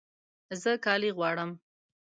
زه کالي غواړم